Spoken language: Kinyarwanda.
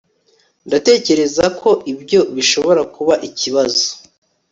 Ndatekereza ko ibyo bishobora kuba ikibazo